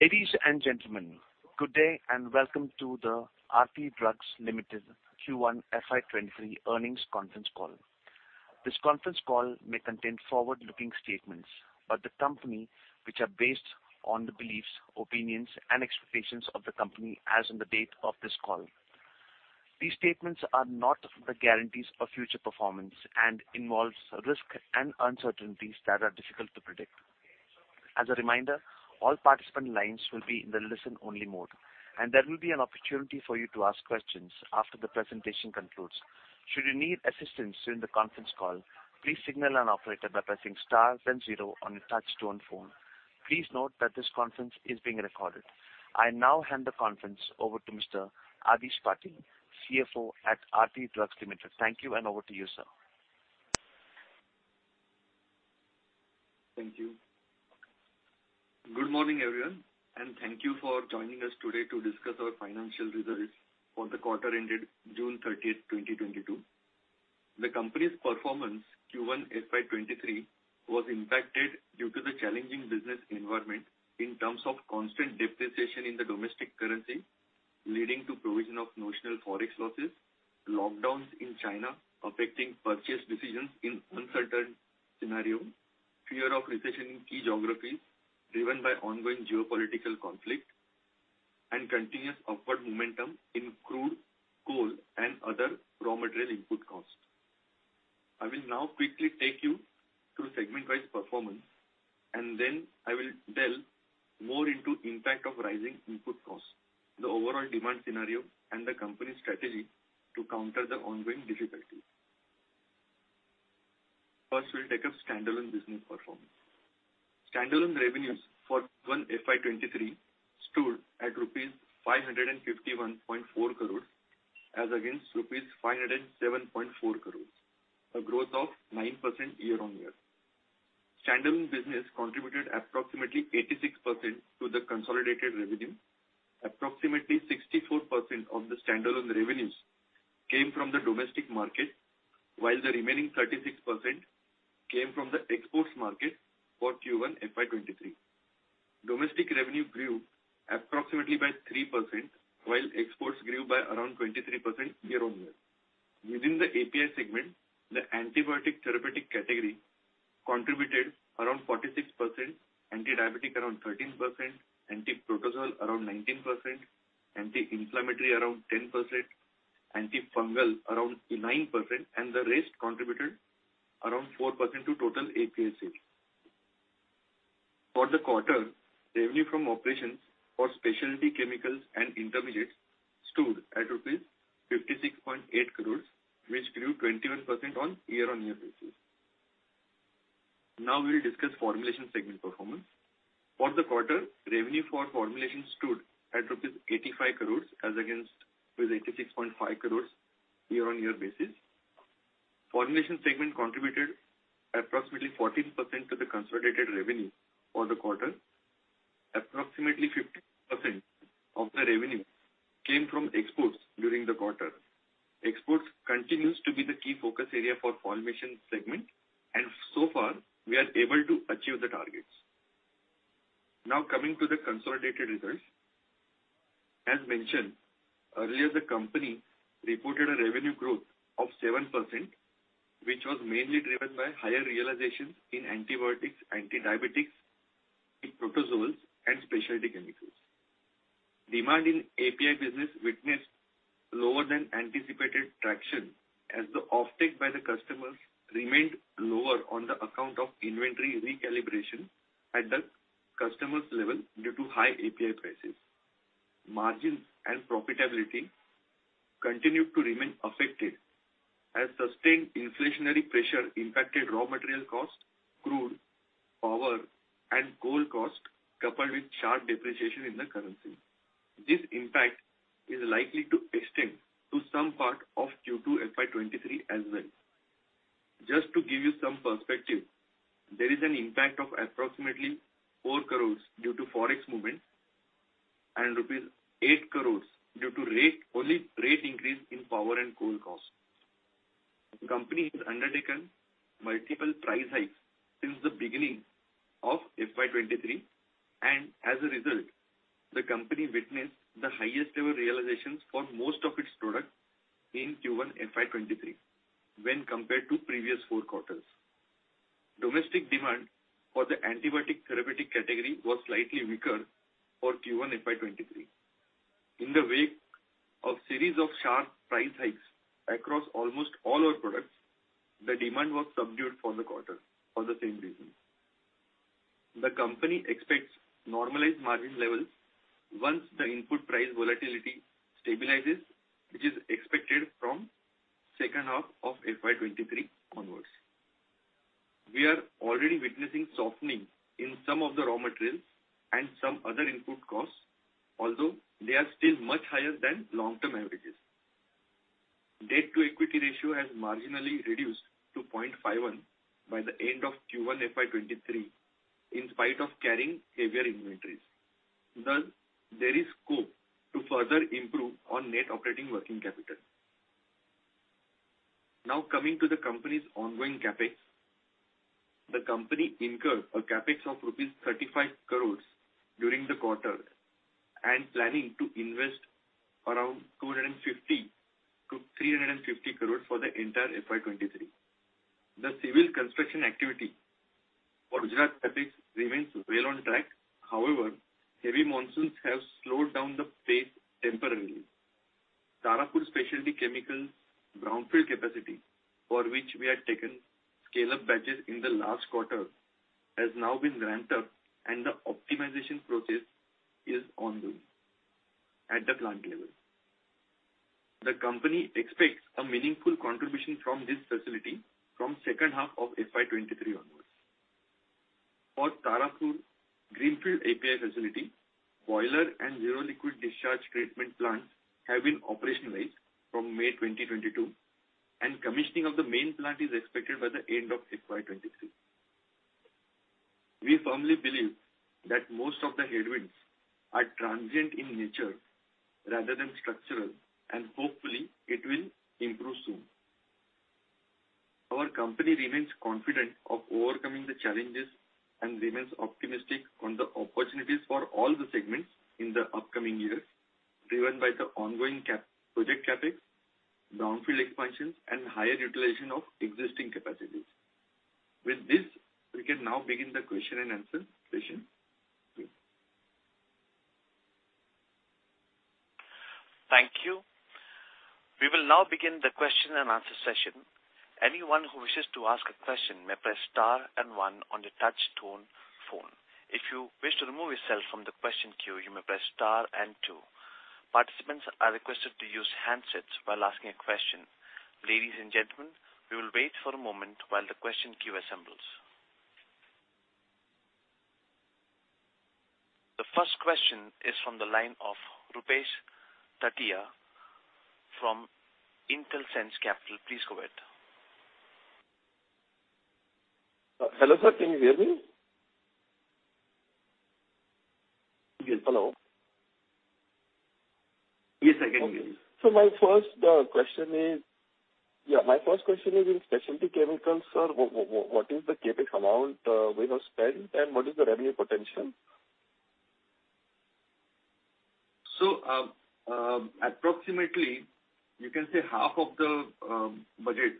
Ladies and gentlemen, good day and welcome to the Aarti Drugs Limited Q1 FY 2023 earnings conference call. This conference call may contain forward-looking statements by the company, which are based on the beliefs, opinions and expectations of the company as on the date of this call. These statements are not the guarantees of future performance and involves risk and uncertainties that are difficult to predict. As a reminder, all participant lines will be in the listen-only mode, and there will be an opportunity for you to ask questions after the presentation concludes. Should you need assistance during the conference call, please signal an operator by pressing star then zero on your touch-tone phone. Please note that this conference is being recorded. I now hand the conference over to Mr. Adhish Patil, CFO at Aarti Drugs Limited. Thank you and over to you, sir. Thank you. Good morning, everyone, and thank you for joining us today to discuss our financial results for the quarter ended June 30th, 2022. The company's performance Q1 FY 2023 was impacted due to the challenging business environment in terms of constant depreciation in the domestic currency, leading to provision of notional Forex losses, lockdowns in China affecting purchase decisions in uncertain scenario, fear of recession in key geographies driven by ongoing geopolitical conflict, and continuous upward momentum in crude, coal and other raw material input costs. I will now quickly take you through segment-wise performance, and then I will delve more into impact of rising input costs, the overall demand scenario and the company's strategy to counter the ongoing difficulties. First, we'll take up standalone business performance. Standalone revenues for Q1 FY 2023 stood at rupees 551.4 crores as against rupees 507.4 crores, a growth of 9% year-on-year. Standalone business contributed approximately 86% to the consolidated revenue. Approximately 64% of the standalone revenues came from the domestic market, while the remaining 36% came from the exports market for Q1 FY 2023. Domestic revenue grew approximately by 3%, while exports grew by around 23% year-on-year. Within the API segment, the antibiotic therapeutic category contributed around 46%, antidiabetic around 13%, antiprotozoal around 19%, anti-inflammatory around 10%, antifungal around 9%, and the rest contributed around 4% to total API sales. For the quarter, revenue from operations for specialty chemicals and intermediates stood at rupees 56.8 crores, which grew 21% on year-on-year basis. Now we will discuss formulation segment performance. For the quarter, revenue for formulation stood at rupees 85 crores as against 86.5 crores year-on-year basis. Formulation segment contributed approximately 14% to the consolidated revenue for the quarter. Approximately 15% of the revenue came from exports during the quarter. Exports continues to be the key focus area for formulation segment and so far we are able to achieve the targets. Now, coming to the consolidated results. As mentioned earlier, the company reported a revenue growth of 7%, which was mainly driven by higher realizations in antibiotics, antidiabetics, antiprotozoals and specialty chemicals. Demand in API business witnessed lower than anticipated traction as the offtake by the customers remained lower on the account of inventory recalibration at the customers' level due to high API prices. Margins and profitability continued to remain affected as sustained inflationary pressure impacted raw material cost, crude, power and coal cost, coupled with sharp depreciation in the currency. This impact is likely to extend to some part of Q2 FY 2023 as well. Just to give you some perspective, there is an impact of approximately 4 crores due to Forex movement and rupees 8 crores due to rate, only rate increase in power and coal costs. The company has undertaken multiple price hikes since the beginning of FY 2023 and as a result, the company witnessed the highest ever realizations for most of its products in Q1 FY 2023 when compared to previous four quarters. Domestic demand for the antibiotic therapeutic category was slightly weaker for Q1 FY 2023. In the wake of a series of sharp price hikes across almost all our products, the demand was subdued for the quarter for the same reason. The company expects normalized margin levels once the input price volatility stabilizes, which is expected from second half of FY 2023 onwards. We are already witnessing softening in some of the raw materials and some other input costs, although they are still much higher than long-term averages. Debt-to-equity ratio has marginally reduced to 0.51 by the end of Q1 FY 2023, in spite of carrying heavier inventories. Thus, there is scope to further improve on net operating working capital. Now coming to the company's ongoing CapEx. The company incurred a CapEx of rupees 35 crores during the quarter and planning to invest around 250 crores-350 crores for the entire FY 2023. The civil construction activity for Gujarat CapEx remains well on track. However, heavy monsoons have slowed down the pace temporarily. Tarapur Specialty Chemicals brownfield capacity, for which we had taken scale-up batches in the last quarter, has now been ramped up, and the optimization process is ongoing at the plant level. The company expects a meaningful contribution from this facility from second half of FY 2023 onwards. For Tarapur Greenfield API facility, boiler and zero liquid discharge treatment plant have been operationalized from May 2022, and commissioning of the main plant is expected by the end of FY 2023. We firmly believe that most of the headwinds are transient in nature rather than structural, and hopefully it will improve soon. Our company remains confident of overcoming the challenges and remains optimistic on the opportunities for all the segments in the upcoming years, driven by the ongoing project CapEx, brownfield expansions and higher utilization of existing capacities. With this, we can now begin the question and answer session. Please. Thank you. We will now begin the question-and-answer session. Anyone who wishes to ask a question may press star and one on your touch tone phone. If you wish to remove yourself from the question queue, you may press star and two. Participants are requested to use handsets while asking a question. Ladies and gentlemen, we will wait for a moment while the question queue assembles. The first question is from the line of Rupesh Tatia from Intelsense Capital. Please go ahead. Hello, sir. Can you hear me? Yes. Hello. Yes, I can hear you. My first question is in specialty chemicals, sir. What is the CapEx amount we have spent and what is the revenue potential? Approximately you can say half of the budget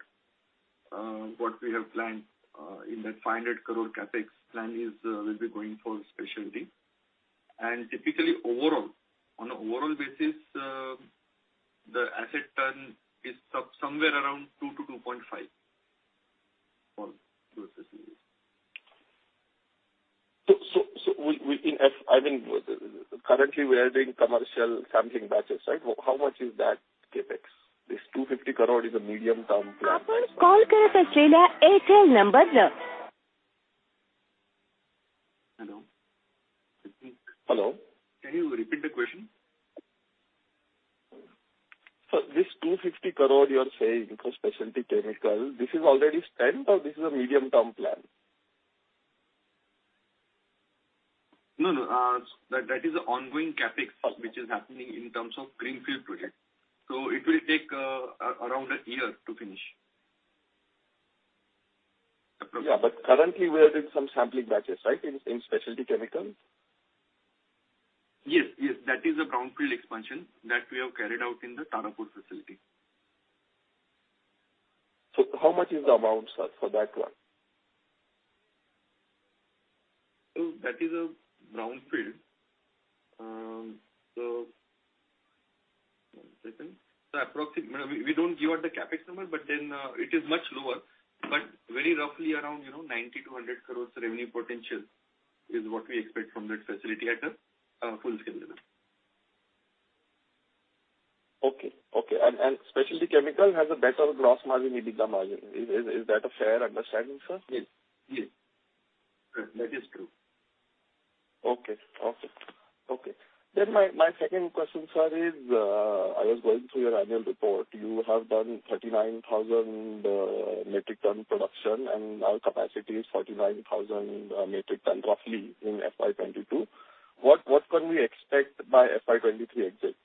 what we have planned in that 500 crores CapEx plan is will be going for specialty. Typically overall, on a overall basis, the asset turn is somewhere around 2-2.5 for I mean, currently we are doing commercial sampling batches, right? How much is that CapEx? This 250 crores is a medium-term plan. Hello. I think. Hello. Can you repeat the question? This 250 crores you are saying for specialty chemical, this is already spent or this is a medium-term plan? No, no. That is the ongoing CapEx. Okay. which is happening in terms of greenfield project. It will take around a year to finish. Yeah. Currently we are doing some sampling batches, right, in specialty chemicals? Yes, yes. That is a brownfield expansion that we have carried out in the Tarapur facility. How much is the amount, sir, for that one? That is a brownfield. One second. We don't give out the CapEx number, but then, it is much lower, but very roughly around, you know, 90 crores-100 crores revenue potential is what we expect from that facility at a full scale level. Specialty chemical has a better gross margin, EBITDA margin. Is that a fair understanding, sir? Yes. Yes. That is true. My second question, sir, is, I was going through your annual report. You have done 39,000 metric ton production and our capacity is 49,000 metric ton roughly in FY 2022. What can we expect by FY 2023 exit?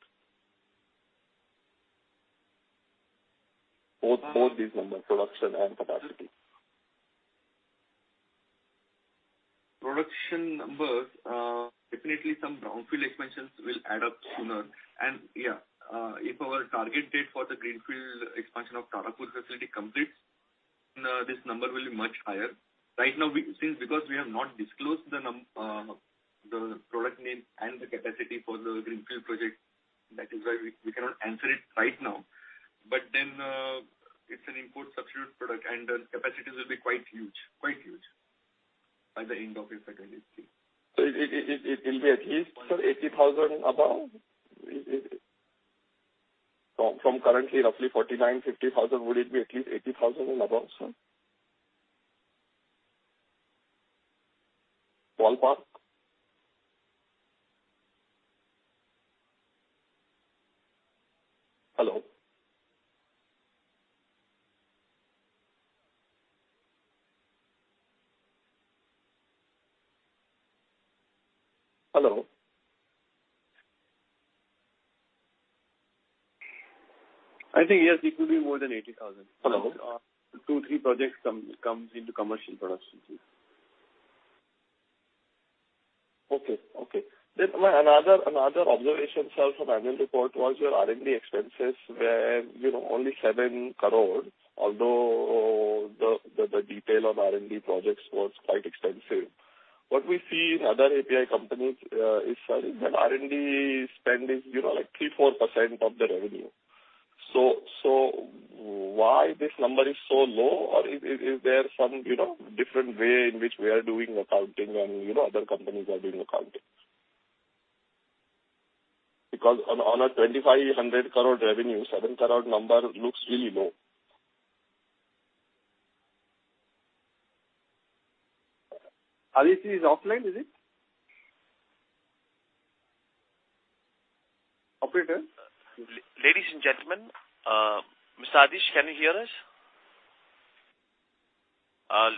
Both these numbers, production and capacity. Production numbers, definitely some brownfield expansions will add up sooner. Yeah, if our target date for the greenfield expansion of Tarapur facility completes, this number will be much higher. Right now, because we have not disclosed the product name and the capacity for the greenfield project, that is why we cannot answer it right now. It's an import substitute product and the capacities will be quite huge by the end of FY 2023. It will be at least 80,000 crores and above, sir? Is it from currently roughly 49,000 crores-50,000 crores, would it be at least 80,000 crores and above, sir? Walpass? Hello? I think yes, it will be more than 80,000 crores. Hello. Two, three projects come into commercial production. Another observation, sir, from annual report was your R&D expenses were, you know, only 7 crores, although the detail of R&D projects was quite extensive. What we see in other API companies is, sir, that R&D spend is, you know, like 3%-4% of the revenue. Why this number is so low or is there some, you know, different way in which we are doing accounting and, you know, other companies are doing accounting? Because on a 2,500 crores revenue, 7 crores number looks really low. Adhish is offline, is it? Operator. Ladies and gentlemen, Mr. Adhish, can you hear us?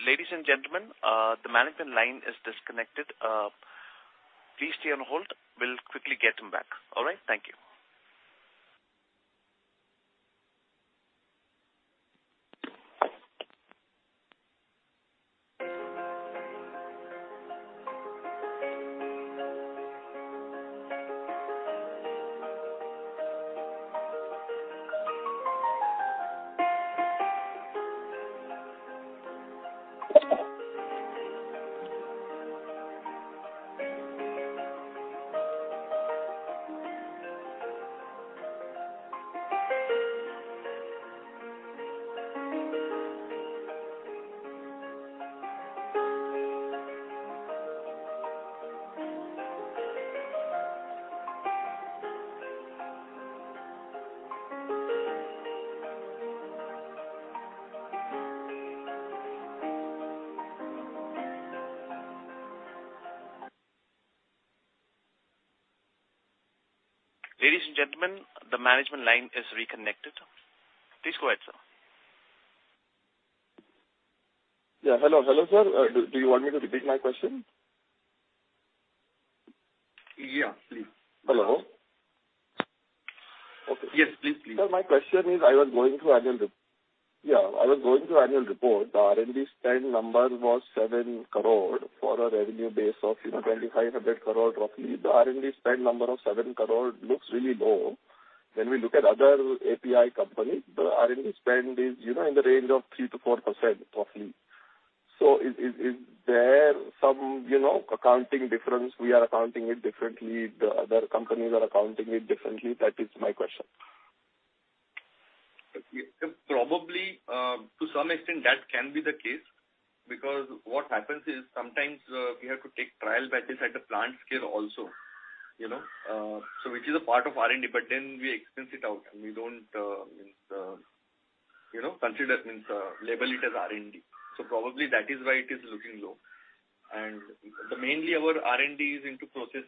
Ladies and gentlemen, the management line is disconnected. Please stay on hold. We'll quickly get him back. All right? Thank you. Ladies and gentlemen, the management line is reconnected. Please go ahead, sir. Yeah. Hello. Hello, sir. Do you want me to repeat my question? Yeah, please. Hello. Okay. Yes, please. Sir, my question is I was going through annual report. The R&D spend number was 7 crores for a revenue base of, you know, 2,500 crores roughly. The R&D spend number of 7 crores looks really low. When we look at other API companies, the R&D spend is, you know, in the range of 3%-4% roughly. Is there some, you know, accounting difference, we are accounting it differently, the other companies are accounting it differently? That is my question. Probably, to some extent that can be the case because what happens is sometimes we have to take trial batches at the plant scale also, you know, so which is a part of R&D, but then we expense it out and we don't label it as R&D. Probably that is why it is looking low. Mainly our R&D is into process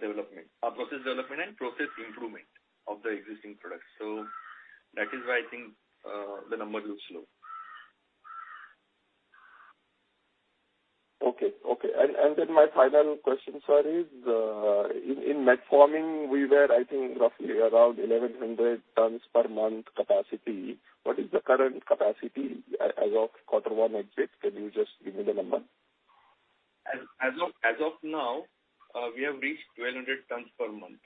development and process improvement of the existing products. That is why I think the number looks low. Then my final question, sir, is in Metformin we were I think roughly around 1,100 tons per month capacity. What is the current capacity as of quarter one exit? Can you just give me the number? As of now, we have reached 1,200 tons per month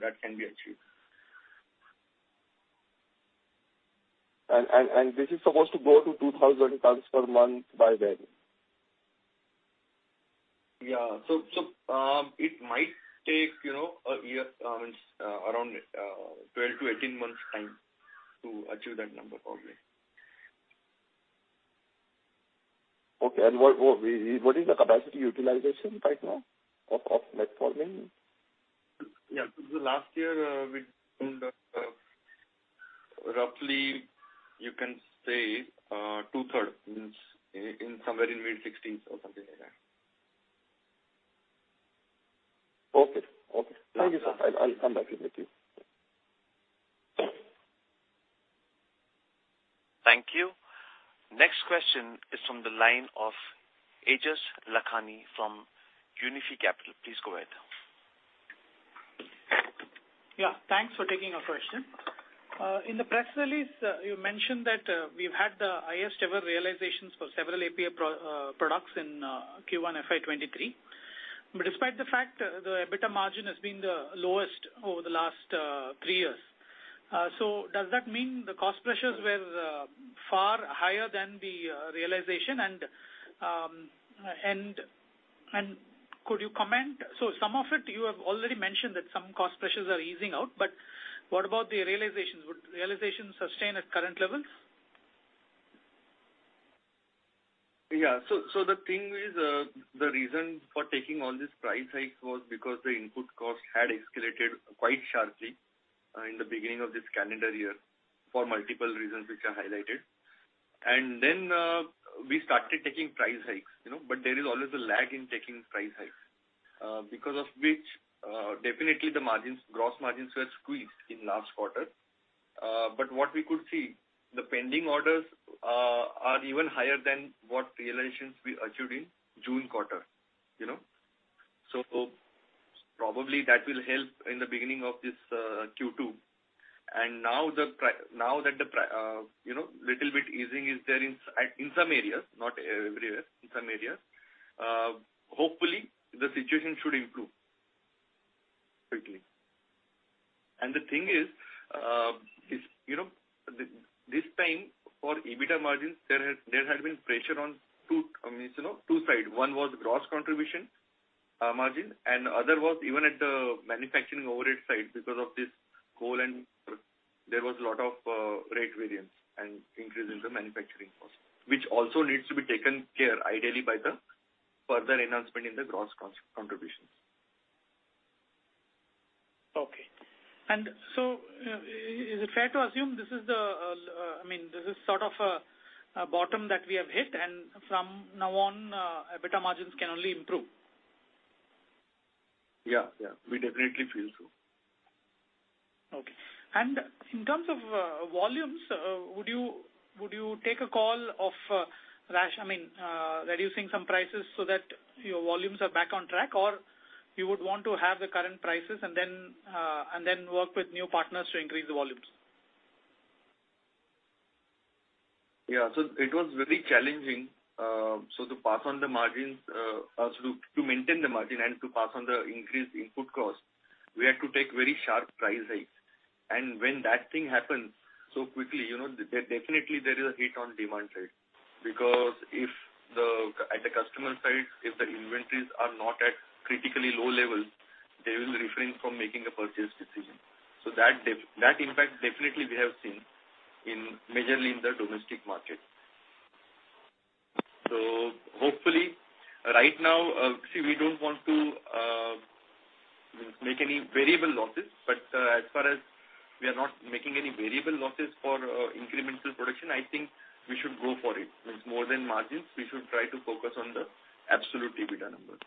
that can be achieved. This is supposed to go to 2,000 tons per month by when? Yeah. It might take, you know, a year, I mean around 12 months-18 months time to achieve that number probably. Okay. What is the capacity utilization right now of Metformin? Yeah. Last year, we did roughly you can say 2/3, means in somewhere in mid-60s or something like that. Okay. Thank you, sir. I'll come back if need be. Thank you. Next question is from the line of Aejas Lakhani from Unifi Capital. Please go ahead. Yeah, thanks for taking our question. In the press release, you mentioned that we've had the highest ever realizations for several API products in Q1 FY 2023. Despite the fact the EBITDA margin has been the lowest over the last three years. Does that mean the cost pressures were far higher than the realization? And could you comment. Some of it you have already mentioned that some cost pressures are easing out, but what about the realizations? Would realizations sustain at current levels? The thing is, the reason for taking all this price hike was because the input cost had escalated quite sharply in the beginning of this calendar year for multiple reasons which are highlighted. Then we started taking price hikes, you know, but there is always a lag in taking price hikes because of which definitely the margins, gross margins were squeezed in last quarter. But what we could see, the pending orders are even higher than what realizations we achieved in June quarter, you know. That will probably help in the beginning of this Q2. Now that the price little bit easing is there in some areas, not everywhere, in some areas, hopefully the situation should improve quickly. The thing is, you know, this time for EBITDA margins there had been pressure on two sides. I mean, you know, two sides. One was gross contribution margin, and the other was even at the manufacturing overhead side because of this coal and there was a lot of rate variance and increase in the manufacturing cost, which also needs to be taken care of ideally by the further enhancement in the gross contributions. Is it fair to assume this is the, I mean, this is sort of a bottom that we have hit, and from now on, EBITDA margins can only improve? Yeah, yeah. We definitely feel so. Okay. In terms of volumes, would you take a call of, I mean, reducing some prices so that your volumes are back on track, or you would want to have the current prices and then work with new partners to increase the volumes? Yeah. It was very challenging. To maintain the margin and to pass on the increased input cost, we had to take very sharp price hikes. When that thing happens so quickly, you know, there definitely is a hit on demand side. Because if at the customer side, if the inventories are not at critically low levels, they will refrain from making a purchase decision. That impact definitely we have seen in, majorly in the domestic market. Hopefully right now, we don't want to make any variable losses, but as far as we are not making any variable losses for incremental production, I think we should go for it. Means more than margins, we should try to focus on the absolute EBITDA numbers.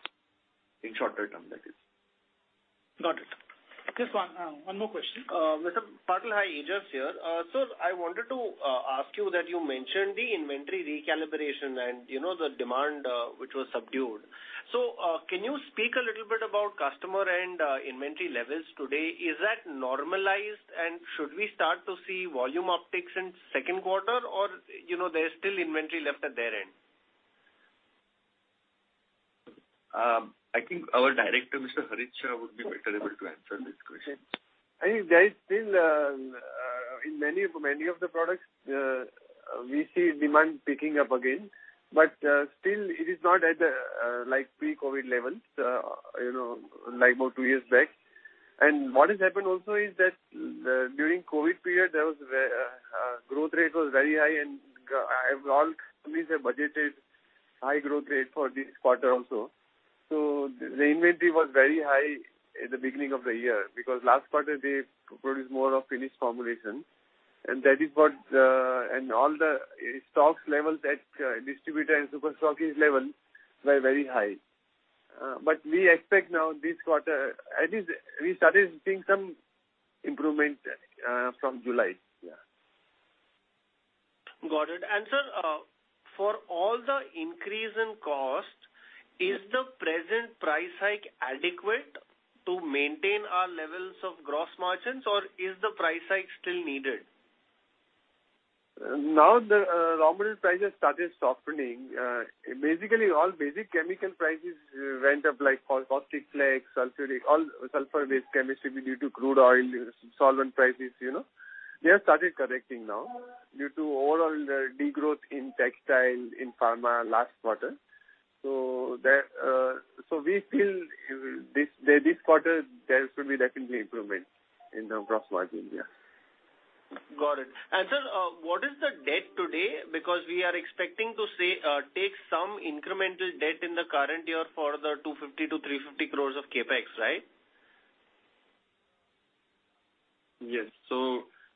In shorter term, that is. Got it. Just one more question. Mr. Patil, hi. Aejas here. I wanted to ask you that you mentioned the inventory recalibration and, you know, the demand, which was subdued. Can you speak a little bit about customer and inventory levels today? Is that normalized and should we start to see volume upticks in second quarter or, you know, there's still inventory left at their end? I think our director, Mr. Harshit Savla, would be better able to answer this question. I think there is still in many of the products we see demand picking up again, but still it is not at the like pre-COVID levels you know like about two years back. What has happened also is that during COVID period there was very high growth rate and all companies have budgeted high growth rate for this quarter also. The inventory was very high at the beginning of the year because last quarter they produced more of finished formulation and all the stock levels at distributor and super stockist levels were very high. We expect now this quarter at least we started seeing some improvement from July. Got it. Sir, for all the increase in cost, is the present price hike adequate to maintain our levels of gross margins or is the price hike still needed? Now the raw material prices started softening. Basically all basic chemical prices went up like caustic flakes, sulfuric, all sulfur-based chemistry due to crude oil, solvent prices, you know. They have started correcting now due to overall the de-growth in textile, in pharma last quarter. So we feel this, that this quarter there should be definitely improvement in the gross margin. Yeah. Got it. Sir, what is the debt today? Because we are expecting to take some incremental debt in the current year for the 250 crores-350 crores of CapEx, right? Yes.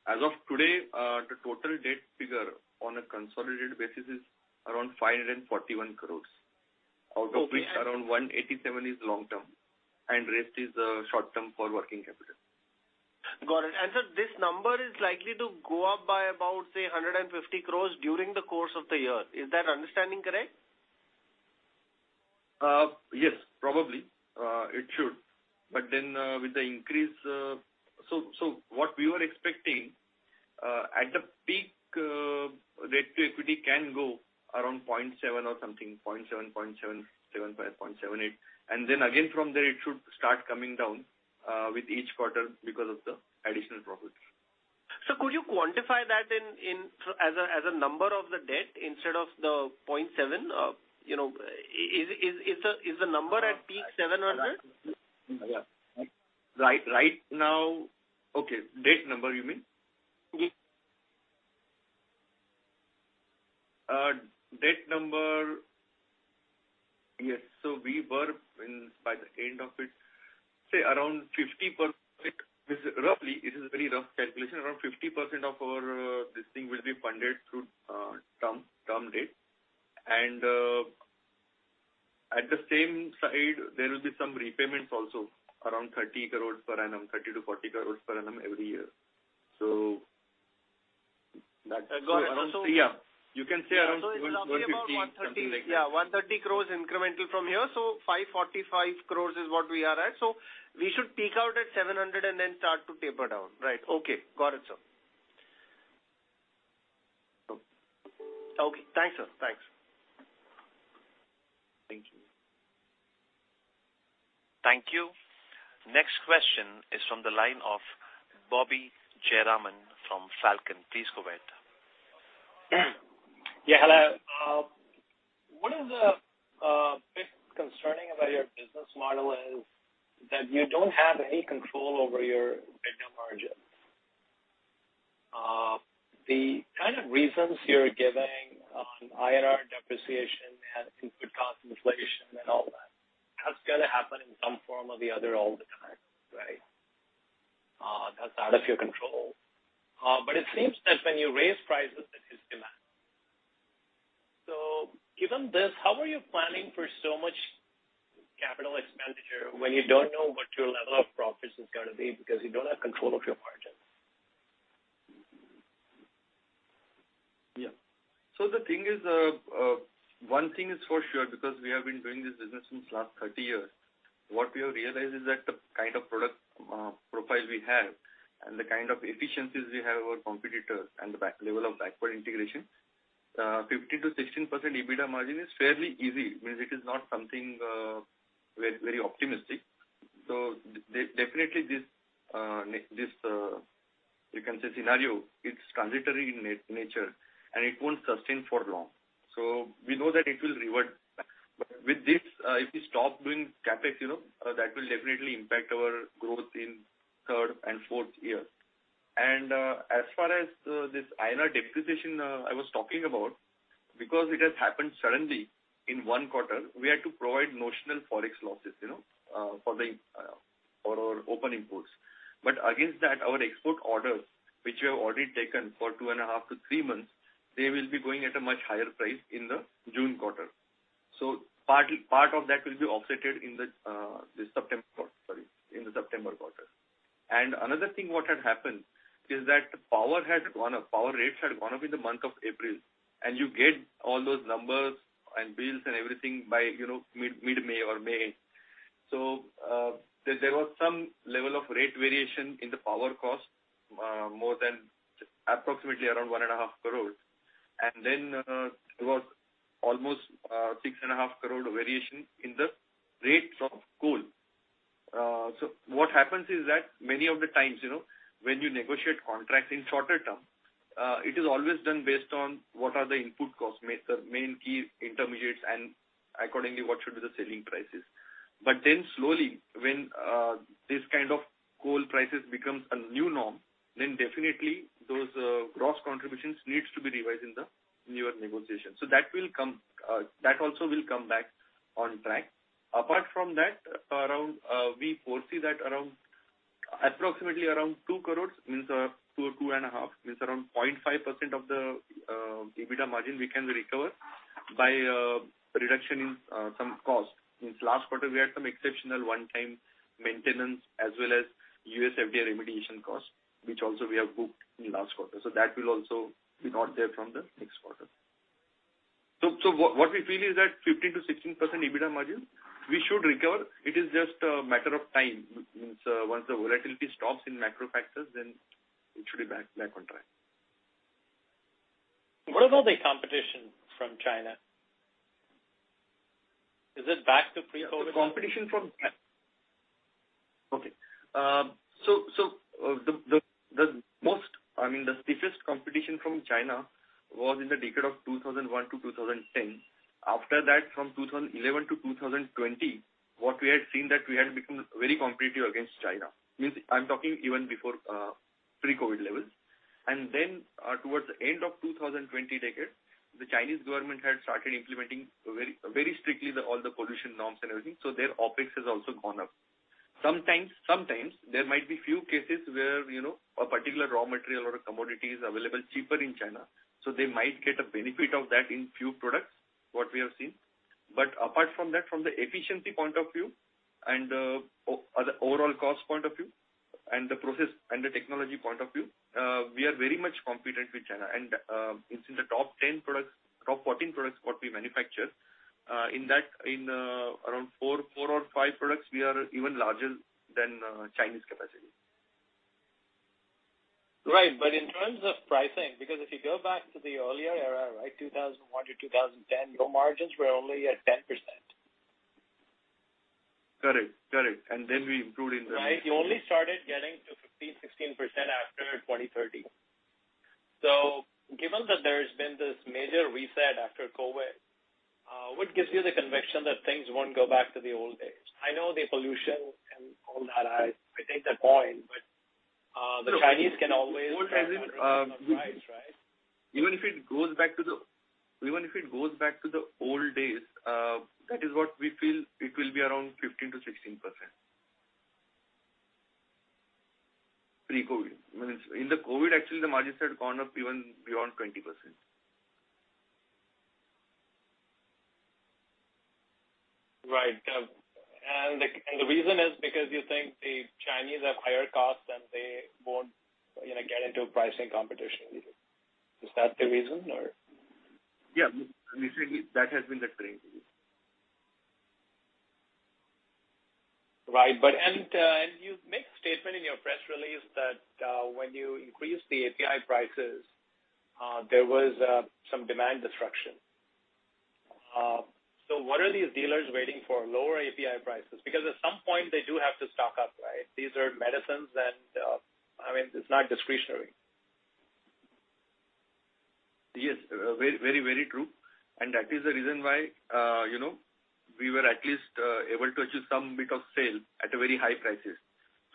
As of today, the total debt figure on a consolidated basis is around 541 crores. Out of which around 187 crores is long-term, and rest is short-term for working capital. Got it. Sir, this number is likely to go up by about, say, 150 crores during the course of the year. Is that understanding correct? Yes, probably. It should. With the increase. So what we were expecting, at the peak, debt to equity can go around 0.7 or something, 0.7, 0.775, 0.78. From there it should start coming down with each quarter because of the additional profits. Sir, could you quantify that as a number of the debt instead of the 0.7? You know, is the number at peak 700? Yeah. Right now. Okay. Debt number, you mean? Yes. Debt number. Yes. We were in by the end of it, say around 50%. This is roughly, it is a very rough calculation. Around 50% of our this thing will be funded through term debt. At the same time, there will be some repayments also around 30 crores per annum, 30 crores-40 crores per annum every year. Got it. Yeah. You can say around 150 crores, something like that. It's roughly about INR 130 crores. Yeah. 130 crores incremental from here. 545 crores is what we are at. We should peak out at 700 crores and then start to taper down. Right. Okay. Got it, sir. Okay. Okay. Thanks, sir. Thanks. Thank you. Thank you. Next question is from the line of Bobby Jayaraman from Falcon. Please go ahead. Yeah, hello. One of the big concerns about your business model is that you don't have any control over your EBITDA margins. The kind of reasons you're giving on INR depreciation and input cost inflation and all that's gonna happen in some form or the other all the time, right? That's out of your control. It seems that when you raise prices, it hits demand. Given this, how are you planning for so much capital expenditure when you don't know what your level of profits is gonna be because you don't have control of your margins? Yeah. The thing is, one thing is for sure, because we have been doing this business since last 30 years, what we have realized is that the kind of product profile we have and the kind of efficiencies we have over competitors and the level of backward integration, 15%-16% EBITDA margin is fairly easy. It is not something very optimistic. Definitely this, you can say scenario, it's transitory in nature, and it won't sustain for long. We know that it will revert. With this, if we stop doing CapEx, you know, that will definitely impact our growth in third and fourth year. As far as this INR depreciation I was talking about, because it has happened suddenly in one quarter, we had to provide notional Forex losses, you know, for our open inputs. Against that, our export orders, which we have already taken for 2.5 To three months, they will be going at a much higher price in the June quarter. Part of that will be offset in the September quarter. Sorry, in the September quarter. Another thing what had happened is that power had gone up, power rates had gone up in the month of April, and you get all those numbers and bills and everything by, you know, mid-May or May. There was some level of rate variation in the power cost, more than approximately around 1.5 crores. There was almost 6.5 crores variation in the rates of coal. What happens is that many of the times, you know, when you negotiate contracts in shorter term, it is always done based on what are the input costs, the main key intermediates and accordingly, what should be the selling prices. Slowly, when this kind of coal prices becomes a new norm, then definitely those gross contributions needs to be revised in the newer negotiations. That will come, that also will come back on track. Apart from that, we foresee that approximately around 2 crores, means two to 2.5, means around 0.5% of the EBITDA margin we can recover by reduction in some costs. Means last quarter, we had some exceptional one-time maintenance as well as US FDA remediation costs, which also we have booked in last quarter. That will also be not there from the next quarter. What we feel is that 15%-16% EBITDA margin, we should recover. It is just a matter of time. Once the volatility stops in macro factors, then it should be back on track. What about the competition from China? Is it back to pre-COVID? The stiffest competition from China was in the decade of 2001-2010. I mean, after that, from 2011-2020, what we had seen that we had become very competitive against China. Means I'm talking even before pre-COVID levels. Towards the end of 2020 decade, the Chinese government had started implementing very strictly all the pollution norms and everything. Their OpEx has also gone up. Sometimes there might be few cases where, you know, a particular raw material or a commodity is available cheaper in China, so they might get a benefit of that in few products, what we have seen. Apart from that, from the efficiency point of view and the overall cost point of view and the process and the technology point of view, we are very much competitive with China. It's in the top 10 products, top 14 products what we manufacture, in that, around four or five products, we are even larger than Chinese capacity. Right. In terms of pricing, because if you go back to the earlier era, right, 2001-2010, your margins were only at 10%. Correct. Right? You only started getting to 15%, 16% after 2030. Given that there has been this major reset after COVID, what gives you the conviction that things won't go back to the old days? I know the pollution and all that, I take that point, but the Chinese can always cut prices on price, right? Even if it goes back to the old days, that is what we feel it will be around 15%-16%. Pre-COVID. I mean, in the COVID, actually, the margins had gone up even beyond 20%. Right. The reason is because you think the Chinese have higher costs and they won't, you know, get into a pricing competition with you. Is that the reason or? Yeah. I mean, certainly that has been the trend. Right. You've made a statement in your press release that when you increase the API prices, there was some demand destruction. What are these dealers waiting for? Lower API prices? Because at some point they do have to stock up, right? These are medicines and I mean, it's not discretionary. Yes. Very true. That is the reason why, you know, we were at least able to achieve some bit of sale at very high prices.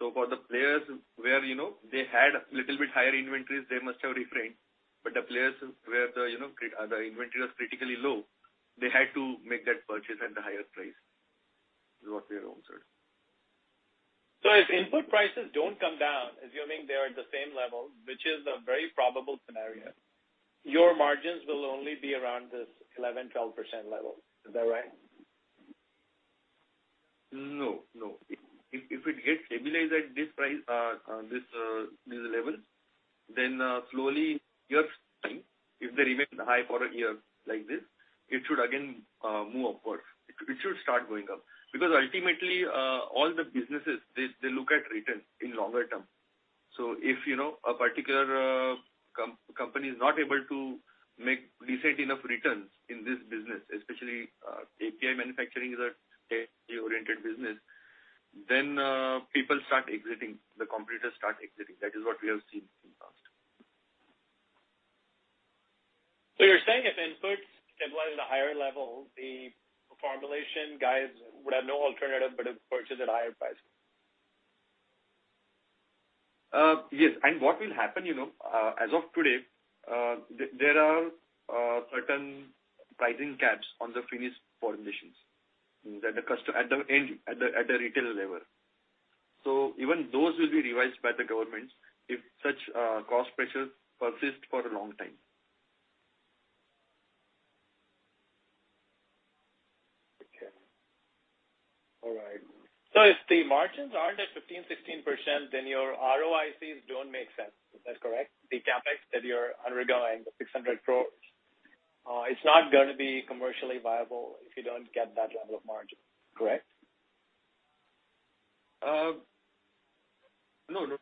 For the players where, you know, they had a little bit higher inventories, they must have refrained. The players where, you know, the inventory was critically low, they had to make that purchase at the higher price is what we have observed. If input prices don't come down, assuming they are at the same level, which is a very probable scenario, your margins will only be around this 11%/12% level. Is that right? No, no. If it gets stabilized at this price, this level, then slowly you're seeing if they remain high for a year like this, it should again move upward. It should start going up. Ultimately, all the businesses, they look at returns in longer term. If you know, a particular company is not able to make decent enough returns in this business, especially API manufacturing is a capital-intensive business, then people start exiting, the competitors start exiting. That is what we have seen in the past. You're saying if inputs stabilize at a higher level, the formulation guys would have no alternative but to purchase at higher prices. Yes. What will happen, you know, as of today, there are certain pricing caps on the finished formulations at the retail level. Even those will be revised by the governments if such cost pressures persist for a long time. Okay. All right. If the margins aren't at 15%/16%, then your ROICs don't make sense. Is that correct? The CapEx that you're undergoing, the 600 crores, it's not gonna be commercially viable if you don't get that level of margin. Correct? No, no.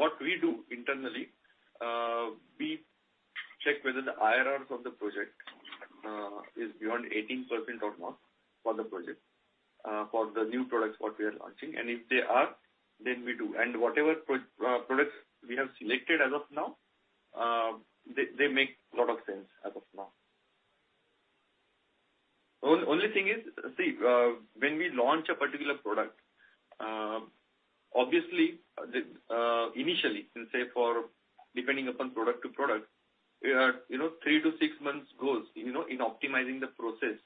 What we do internally, we check whether the IRRs of the project is beyond 18% or more for the project, for the new products what we are launching. If they are, then we do. Whatever products we have selected as of now, they make a lot of sense as of now. Only thing is, see, when we launch a particular product, obviously, initially since say for depending upon product to product, we have, you know, three to six months goals, you know, in optimizing the process.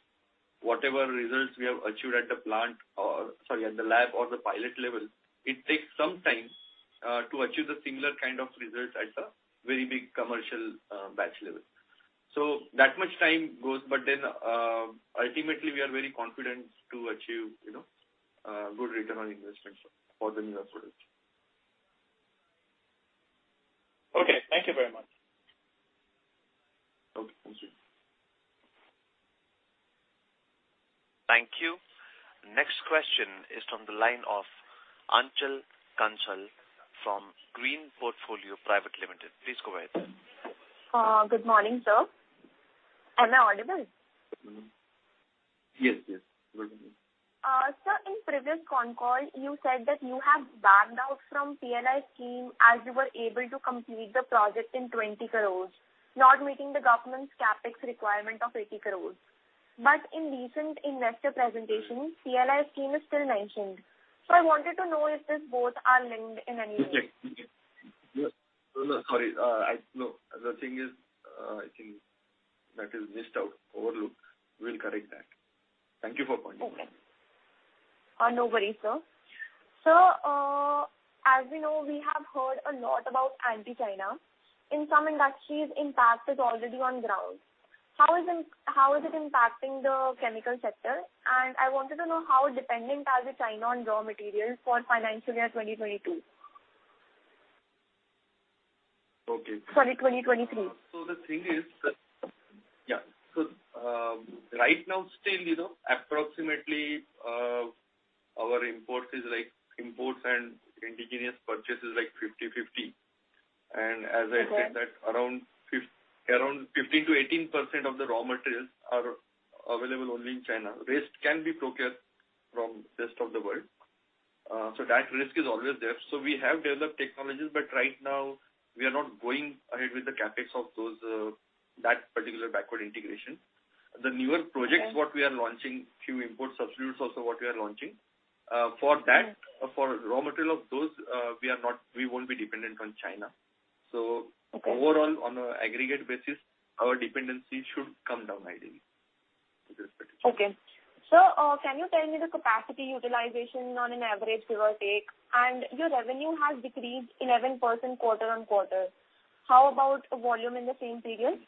Whatever results we have achieved at the plant or, sorry, at the lab or the pilot level, it takes some time to achieve the similar kind of results at a very big commercial batch level. That much time goes, but then ultimately we are very confident to achieve, you know, good return on investments for the newer products. Okay. Thank you very much. Okay. Thank you. Thank you. Next question is from the line of Anchal Kansal from Green Portfolio Private Limited. Please go ahead. Good morning, sir. Am I audible? Yes, yes. Good morning. Sir, in previous concall you said that you have backed out from PLI scheme as you were able to complete the project in 20 crores, not meeting the government's CapEx requirement of 80 crores. In recent investor presentation, PLI scheme is still mentioned. I wanted to know if these both are linked in any way. Okay. No, no, sorry. No. The thing is, I think that is missed out, overlooked. We'll correct that. Thank you for pointing that out. Okay. No worry, sir. Sir, as we know, we have heard a lot about anti-China. In some industries, impact is already on ground. How is it impacting the chemical sector? I wanted to know how dependent are they on China for raw materials for financial year 2022. Okay. Sorry, 2023. The thing is that right now still, you know, approximately, our imports and indigenous purchases are like 50/50. As I said that around 15%-18% of the raw materials are available only in China. The rest can be procured from the rest of the world. That risk is always there. We have developed technologies, but right now we are not going ahead with the CapEx of those, that particular backward integration. The newer projects what we are launching, few import substitutes also what we are launching, for that- Okay. For raw material of those, we are not, we won't be dependent on China. Okay. Overall, on an aggregate basis, our dependency should come down ideally. Okay. Sir, can you tell me the capacity utilization on an average, give or take, and your revenue has decreased 11% quarter-on-quarter. How about volume in the same period?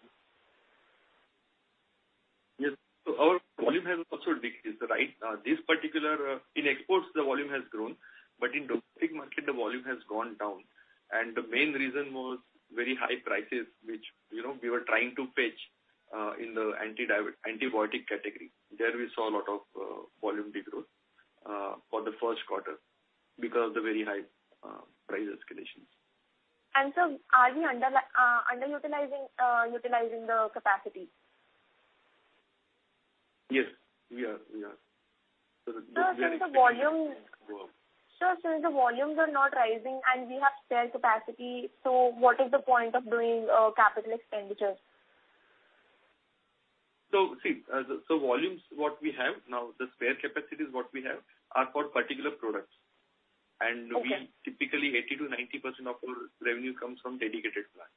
Yes. Our volume has also decreased, right? This particular, in exports, the volume has grown, but in domestic market the volume has gone down. The main reason was very high prices, which, you know, we were trying to pitch in the antibiotic category. There we saw a lot of volume decrease for the first quarter because of the very high price escalations. Sir, are we underutilizing the capacity? Yes, we are. Sir, since the volumes. Go up. Sir, since the volumes are not rising and we have spare capacity, so what is the point of doing capital expenditures? volumes what we have now, the spare capacities what we have are for particular products. Okay. We typically 80%-90% of our revenue comes from dedicated plant.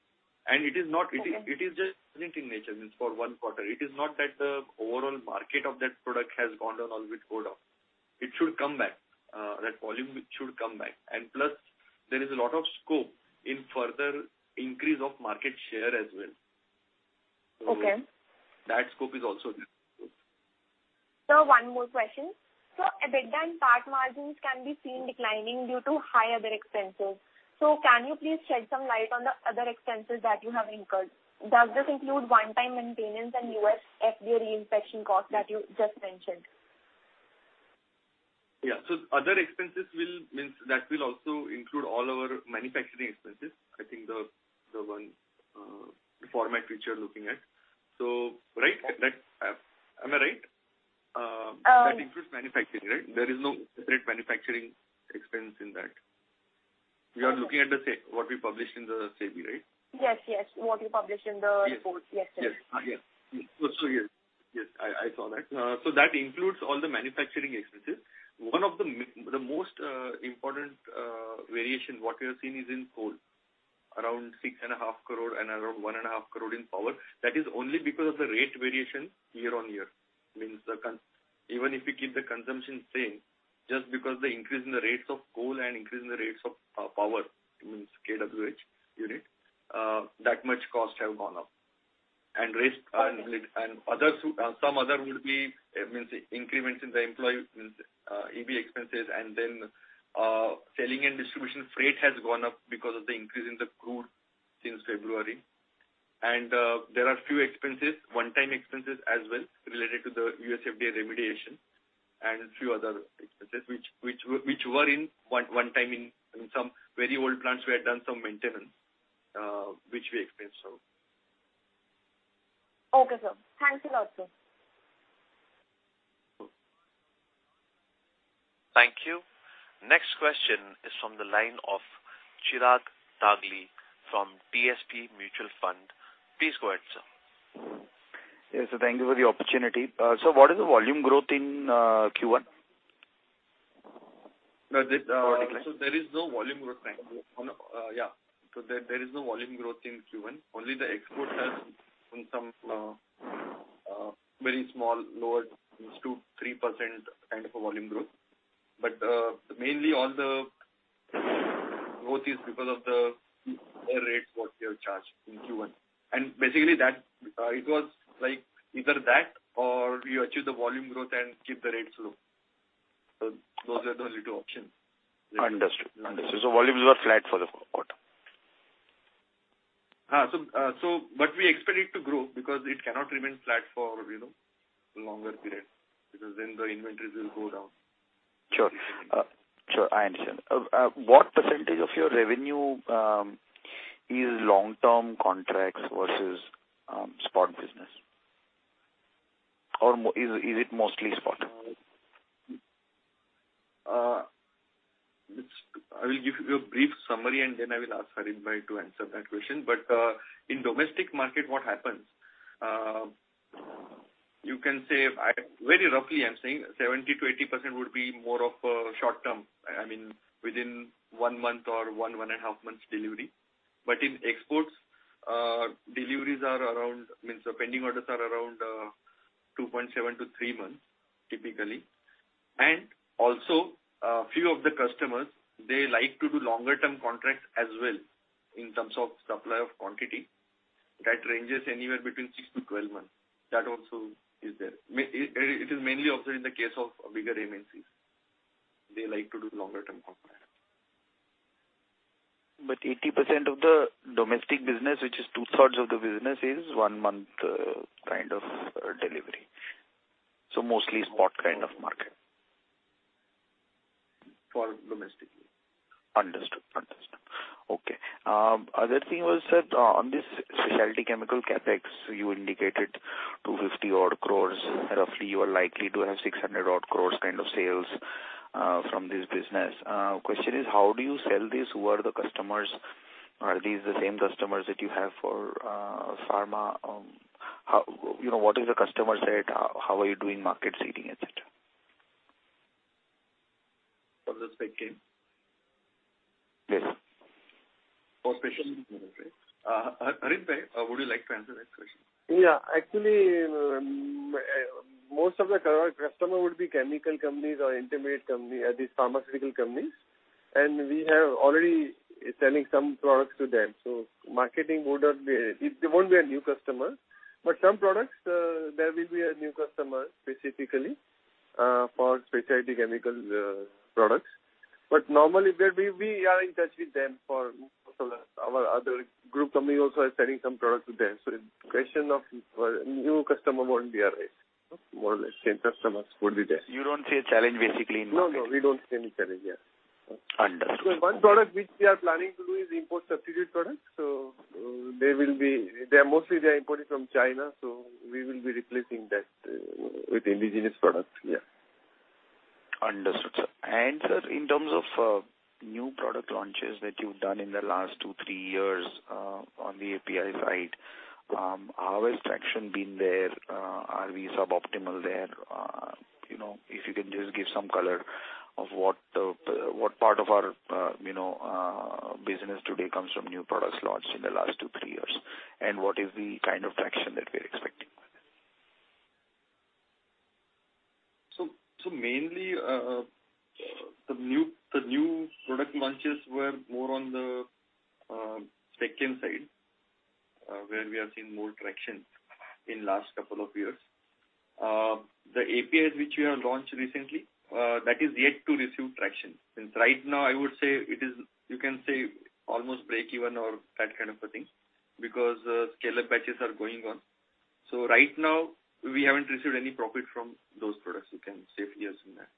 It is not- Okay. It is just transient in nature, meaning for one quarter. It is not that the overall market of that product has gone down or will go down. It should come back. That volume should come back. Plus there is a lot of scope in further increase of market share as well. Okay. That scope is also there. Sir, one more question. EBITDA margins can be seen declining due to high other expenses. Can you please shed some light on the other expenses that you have incurred? Does this include one-time maintenance and US FDA re-inspection cost that you just mentioned? Yeah. Other expenses will means that will also include all our manufacturing expenses. I think the one format which you're looking at. Right? That's. Am I right? Uh- That includes manufacturing, right? There is no separate manufacturing expense in that. We are looking at what we published in the SEBI, right? Yes. Yes. What you published in the report. Yes. Yes, sir. Yes. I saw that. That includes all the manufacturing expenses. One of the most important variation what we have seen is in coal, around 6.5 crores and around 1.5 crores in power. That is only because of the rate variation year-on-year. Even if we keep the consumption same, just because the increase in the rates of coal and increase in the rates of power means kWh unit, that much cost have gone up. Risk and others and some other will be means increments in the employee means EB expenses and then selling and distribution freight has gone up because of the increase in the crude since February. There are few expenses, one-time expenses as well related to the US FDA remediation and a few other expenses which were one time in some very old plants we had done some maintenance, which we experienced so. Okay, sir. Thanks a lot, sir. Cool. Thank you. Next question is from the line of Chirag Dagli from DSP Mutual Fund. Please go ahead, sir. Yes, thank you for the opportunity. What is the volume growth in Q1? No, this. Decline. There is no volume growth, thank you. There is no volume growth in Q1. Only the export has some very small, low, I mean 2%-3% kind of a volume growth. Mainly all the growth is because of the higher rates that we have charged in Q1. Basically that it was like either that or you achieve the volume growth and keep the rates low. Those are the two options. Understood. Volumes were flat for the quarter. We expect it to grow because it cannot remain flat for, you know, longer period because then the inventories will go down. Sure. Sure. I understand. What percentage of your revenue is long-term contracts versus spot business? Or is it mostly spot? I will give you a brief summary and then I will ask Harshit Savla to answer that question. In domestic market what happens, you can say, very roughly I'm saying 70%-80% would be more of short-term, I mean within one month or one and a half months delivery. In exports, the pending orders are around 2.7 to three months typically. Also, a few of the customers, they like to do longer term contracts as well in terms of supply of quantity. That ranges anywhere between six to 12 months. That also is there. It is mainly observed in the case of bigger MNCs. They like to do longer term contracts. 80% of the domestic business, which is 2/3 of the business, is one month kind of delivery. Mostly spot kind of market. For domestically. Understood. Okay. Other thing was that, on this specialty chemical CapEx, you indicated 250 odd crores. Roughly you are likely to have 600 odd crores kind of sales, from this business. Question is how do you sell this? Who are the customers? Are these the same customers that you have for, pharma? How, you know, what is the customer set? How are you doing mark- Yes. For specialty chemicals, right? Harshit, would you like to answer that question? Actually, most of the current customer would be chemical companies or intermediate company or these pharmaceutical companies, and we have already selling some products to them. It won't be a new customer. Some products, there will be a new customer specifically, for specialty chemical, products. Normally, we are in touch with them for most of our other group company also are selling some products with them. The question of, new customer won't arise. More or less same customers would be there. You don't see a challenge basically in marketing. No, no, we don't see any challenge. Yeah. Understood. One product which we are planning to do is import substitute products. They are mostly importing from China, so we will be replacing that with indigenous product. Yeah. Understood, sir. Sir, in terms of new product launches that you've done in the last two, three years, on the API side, how has traction been there? Are we suboptimal there? You know, if you can just give some color of what part of our, you know, business today comes from new products launched in the last two, three years, and what is the kind of traction that we're expecting with it? Mainly, the new product launches were more on the second side, where we have seen more traction in last couple of years. The APIs which we have launched recently, that is yet to receive traction. Since right now I would say it is, you can say almost break-even or that kind of a thing because scale-up batches are going on. Right now we haven't received any profit from those products, you can safely assume that.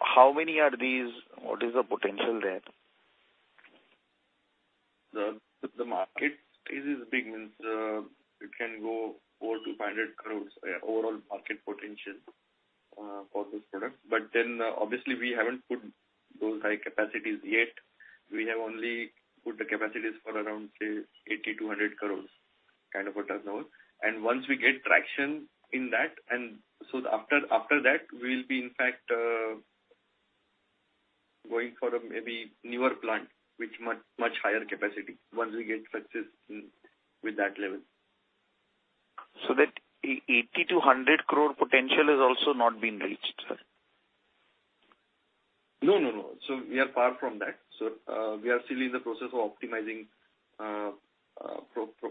How many are these? What is the potential there? The market space is big. It can go 400 crores-500 crores overall market potential for this product. Obviously we haven't put those high capacities yet. We have only put the capacities for around, say, 80 crores-100 crores kind of a turnover. Once we get traction in that, after that we'll be in fact going for maybe a newer plant with much higher capacity once we get success with that level. That 80 crores-100 crores potential has also not been reached, sir? No. We are far from that. We are still in the process of optimizing,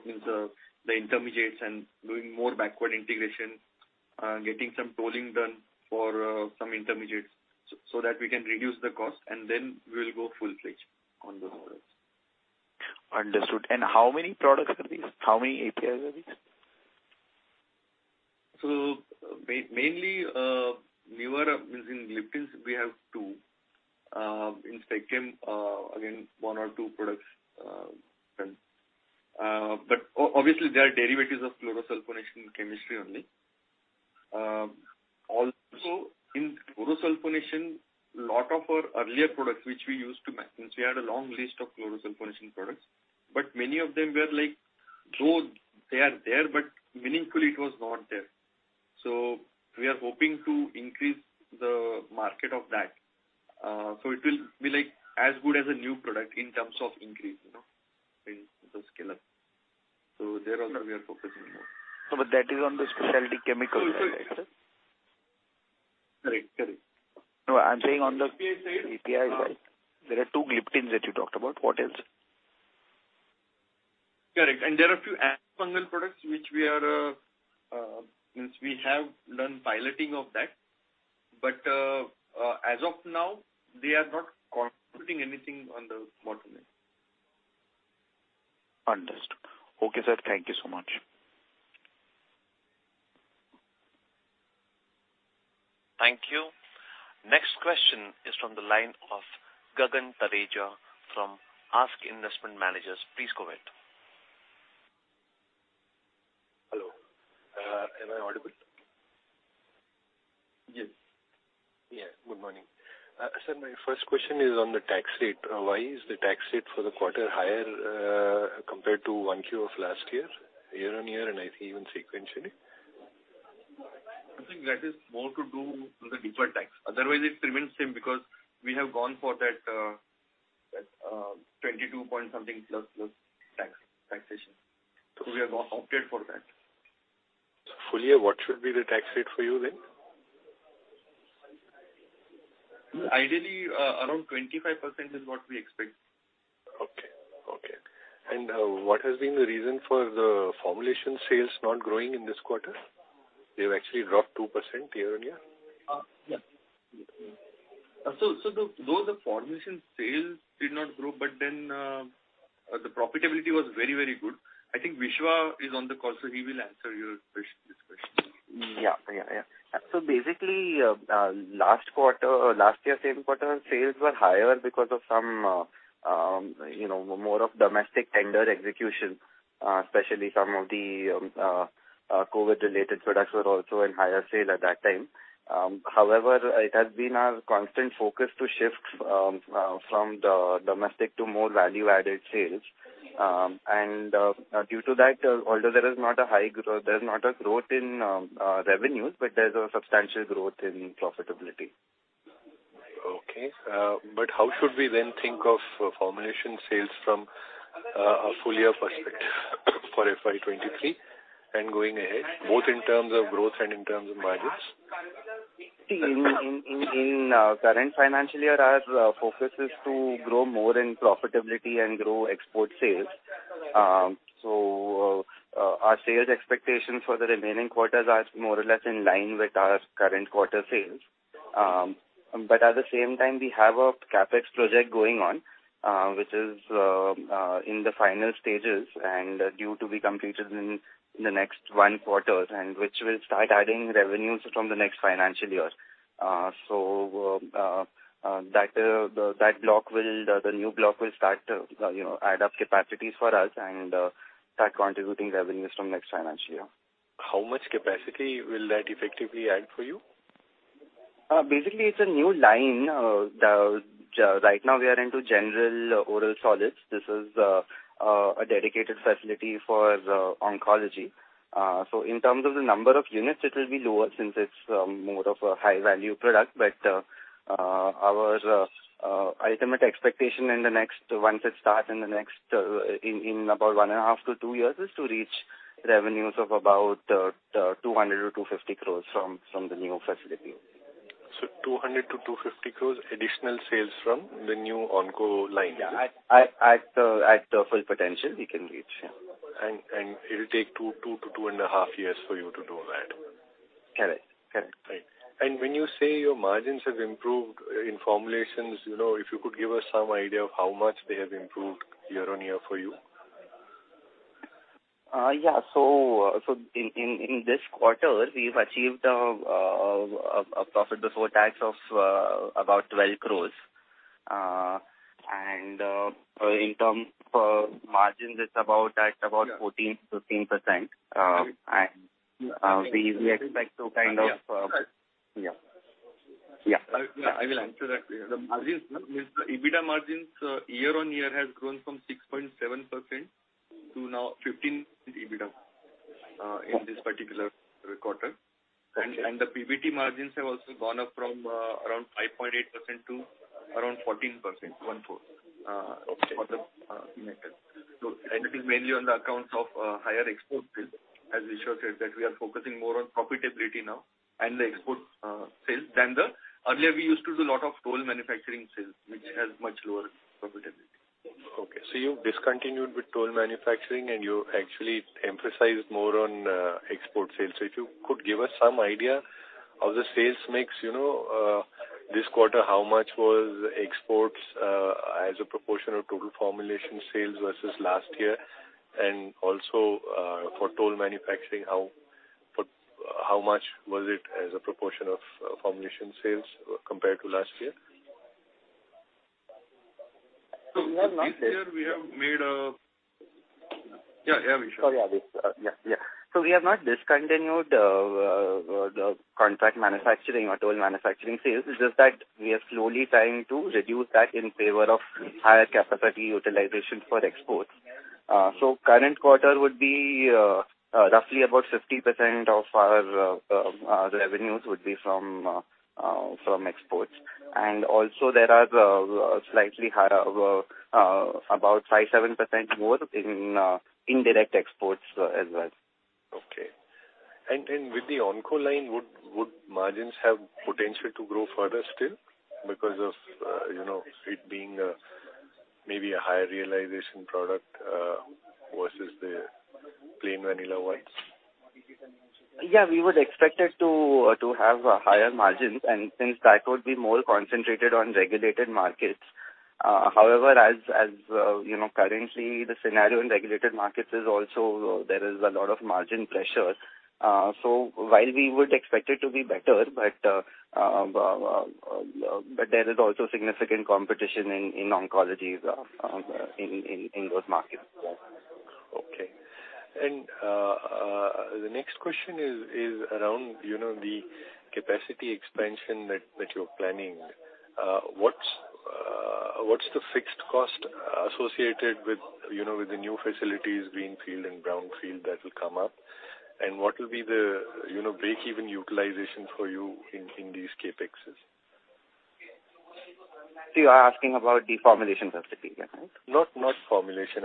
meaning the intermediates and doing more backward integration, getting some tolling done for some intermediates so that we can reduce the cost and then we'll go full-fledged on those products. Understood. How many products are these? How many APIs are these? Mainly, newer using Gliptins we have two. In SpecChem, again, one or two products done. But obviously they are derivatives of chlorosulfonation chemistry only. Also in chlorosulfonation, lot of our earlier products which we used to make, since we had a long list of chlorosulfonation products, but many of them were like, though they are there, but meaningfully it was not there. We are hoping to increase the market of that. It will be like as good as a new product in terms of increase, you know, in the scale-up. There also we are focusing more. No, but that is on the specialty chemical side, right, sir? Correct. No, I'm saying on the. API side. API side. There are two Gliptins that you talked about. What else? Correct. There are few antifungal products. I mean, we have done piloting of that. As of now, they are not contributing anything on the bottom line. Understood. Okay, sir. Thank you so much. Thank you. Next question is from the line of Gagan Thareja from ASK Investment Managers. Please go ahead. Hello. Am I audible? Yes. Yeah. Good morning. Sir, my first question is on the tax rate. Why is the tax rate for the quarter higher, compared to 1Q of last year-over-year and I think even sequentially? I think that is more to do with the deferred tax. Otherwise it remains same because we have gone for that 22 point something plus tax, taxation. We have not opted for that. Full-year, what should be the tax rate for you then? Ideally, around 25% is what we expect. Okay, what has been the reason for the formulation sales not growing in this quarter? They've actually dropped 2% year-on-year. Though the formulation sales did not grow, but then, the profitability was very, very good. I think Vishwa is on the call, so he will answer this question. Basically, last year's same quarter sales were higher because of some, you know, more of domestic tender execution, especially some of the COVID-related products were also in higher sales at that time. However, it has been our constant focus to shift from the domestic to more value-added sales. Due to that, although there is not a growth in revenues, but there's a substantial growth in profitability. Okay. How should we then think of formulation sales from a full year perspective for FY 2023 and going ahead, both in terms of growth and in terms of margins? In current financial year, our focus is to grow more in profitability and grow export sales. Our sales expectations for the remaining quarters are more or less in line with our current quarter sales. At the same time, we have a CapEx project going on, which is in the final stages and due to be completed in the next one quarters and which will start adding revenues from the next financial years. The new block will start, you know, add up capacities for us and start contributing revenues from next financial year. How much capacity will that effectively add for you? Basically, it's a new line. Right now we are into general oral solids. This is a dedicated facility for oncology. In terms of the number of units, it will be lower since it's more of a high value product. Our ultimate expectation once it starts in about 1.5-2 years is to reach revenues of about 200 crores-250 crores from the new facility. 200 crores-250 crores additional sales from the new onco line. Yeah. At the full potential we can reach. Yeah. It will take two to 2.5 years for you to do that. Correct. Right. When you say your margins have improved in formulations, you know, if you could give us some idea of how much they have improved year-on-year for you? In this quarter, we've achieved a profit before tax of about 12 crores. In terms of margins, it's about 14%-15%. We expect to kind of Yeah. Yeah. I will answer that. The margins mean the EBITDA margins year-on-year has grown from 6.7% to now 15% EBITDA in this particular quarter. Got you. The PBT margins have also gone up from around 5.8% to around 14%, 1/4. Okay. For the quarter. This is mainly on account of higher export sales. As Vishwa said, that we are focusing more on profitability now and the export sales than earlier. Earlier, we used to do a lot of toll manufacturing sales, which has much lower profitability. Okay. You've discontinued with toll manufacturing and you actually emphasized more on export sales. If you could give us some idea of the sales mix, you know, this quarter, how much was exports as a proportion of total formulation sales versus last year? And also, for toll manufacturing, how much was it as a proportion of formulation sales compared to last year? We have not. Yeah. Yeah, Vishwa. Yeah. We have not discontinued the contract manufacturing or toll manufacturing sales. It's just that we are slowly trying to reduce that in favor of higher capacity utilization for exports. Current quarter would be roughly about 50% of our revenues would be from exports. There are also slightly higher about 5%-7% more in indirect exports as well. Okay. With the oncology line, would margins have potential to grow further still because of, you know, it being, maybe a higher realization product, versus the plain vanilla ones? Yeah. We would expect it to have higher margins and since that would be more concentrated on regulated markets. However, you know, currently the scenario in regulated markets is also there is a lot of margin pressure. While we would expect it to be better, but there is also significant competition in oncology in those markets. Okay. The next question is around, you know, the capacity expansion that you're planning. What's the fixed cost associated with, you know, with the new facilities, greenfield and brownfield that will come up? What will be the, you know, break-even utilization for you in these CapExes? You are asking about the formulation facility, right? Not formulation.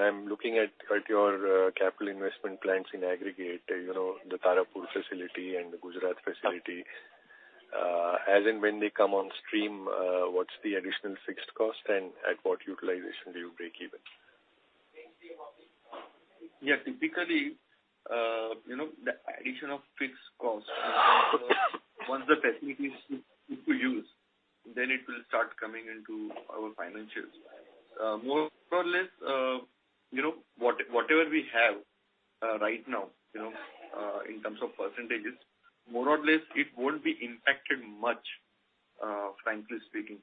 I'm looking at your capital investment plans in aggregate, you know, the Tarapur facility and the Gujarat facility. As and when they come on stream, what's the additional fixed cost and at what utilization do you break even? Yeah. Typically, you know, the addition of fixed costs once the facility is put to use, then it will start coming into our financials. More or less, you know, whatever we have right now, you know, in terms of percentages, more or less it won't be impacted much, frankly speaking,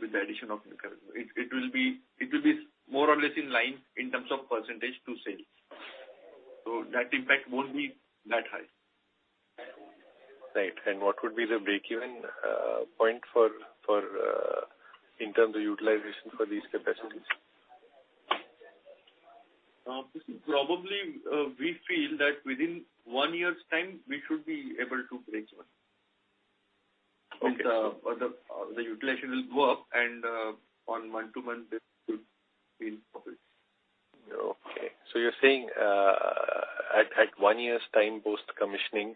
with the addition of the current. It will be more or less in line in terms of percentage to sales. That impact won't be that high. Right. What would be the break-even point in terms of utilization for these capacities? This is probably. We feel that within one year's time we should be able to break even. Okay. The utilization will go up and on month-over-month basis should be in profit. Okay. You're saying at one year's time post-commissioning,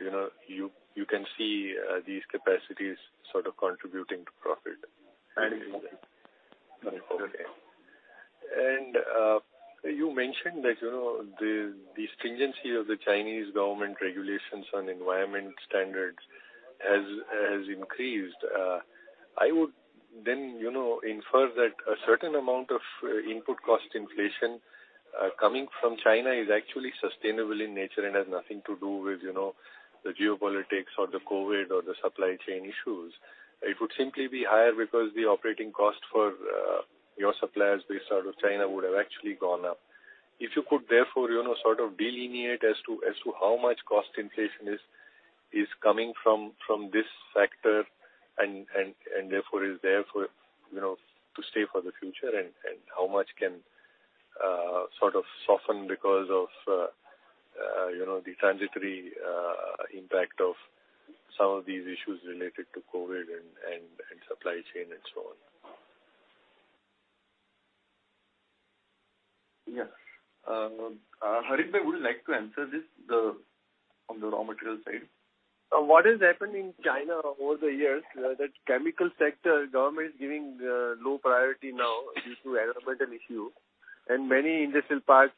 you know, you can see these capacities sort of contributing to profit? Even. Okay. You mentioned that, you know, the stringency of the Chinese government regulations on environmental standards has increased. I would then, you know, infer that a certain amount of input cost inflation coming from China is actually sustainable in nature and has nothing to do with, you know, the geopolitics or the COVID or the supply chain issues. It would simply be higher because the operating cost for your suppliers based out of China would have actually gone up. If you could therefore, you know, sort of delineate as to how much cost inflation is coming from this sector and therefore is there for, you know, to stay for the future and how much can sort of soften because of, you know, the transitory impact of some of these issues related to COVID and supply chain and so on. Yes. Harshit would like to answer this from the raw material side. What has happened in China over the years, that chemical sector government is giving low priority now due to environmental issue. Many industrial parks,